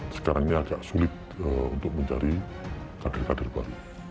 sekarang ini agak sulit untuk mencari kader kader baru